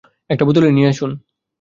একটা বোতলই নিয়ে আসুন।